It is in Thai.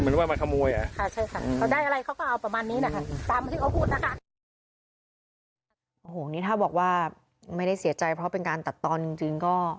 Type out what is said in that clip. โอ้โหนี่ถ้าบอกว่าไม่ได้เสียใจเพราะเป็นการตัดตอนจริงก็